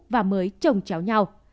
và mới chồng chéo nhau